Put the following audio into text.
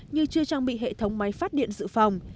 như chưa trang bị hệ thống máy phát điện dự phòng